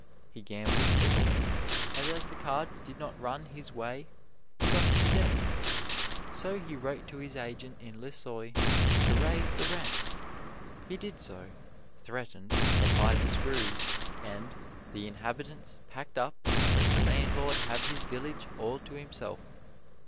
He gambled a little, and as the cards did not run his way he got into debt. So he wrote to his agent in Lissoy to raise the rents. He did so, threatened, applied the screws, and the inhabitants packed up and let the landlord have his village all to himself.